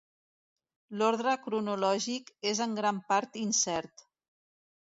L'ordre cronològic és en gran part incert.